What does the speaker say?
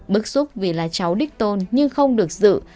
bức xúc vì là cháu đích tôn nhưng không được dự